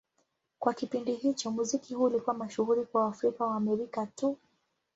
Kwa kipindi hicho, muziki huu ulikuwa mashuhuri kwa Waafrika-Waamerika tu.